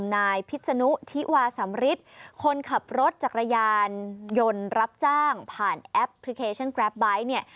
นายพิษนุธิวาสำริทคนขับรถจักรยานยนต์รับจ้างผ่านแอปพลิเคชันแกรปไบท์เนี่ย